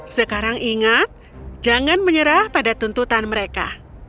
sekarang ingat jangan menyerah pada tuntutan mereka